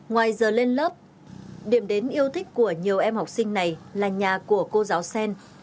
ngoài giờ lên lớp điểm đến yêu thích của nhiều em học sinh này là nhà của cô giáo sen